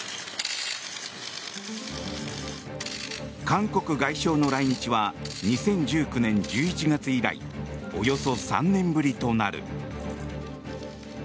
韓国外相の来日は２０１９年１１月以来およそ３年ぶりとなる。